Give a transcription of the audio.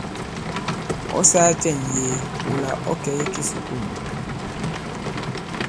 Ɔ̌ sāā cɛ ŋ̀yee wula ɔ̌ kɛ̀ i kisùkulù ?